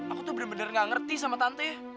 aku tuh bener bener gak ngerti sama tante